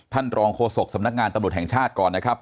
รองโฆษกสำนักงานตำรวจแห่งชาติก่อนนะครับ